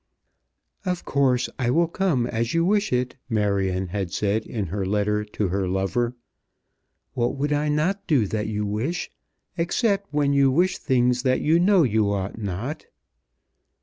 "Of course I will come as you wish it," Marion had said in her letter to her lover. "What would I not do that you wish, except when you wish things that you know you ought not?